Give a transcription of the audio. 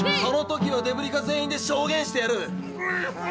その時はデブリ課全員で証言してやる。